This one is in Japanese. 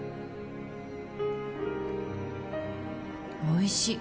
おいしい。